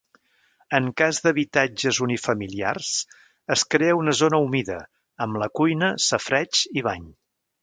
En cas d'habitatges unifamiliars, es crea una zona humida amb la cuina, safareig i bany.